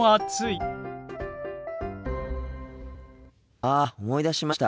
ああ思い出しました。